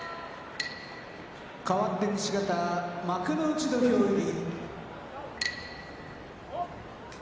かわって西方幕内土俵入り。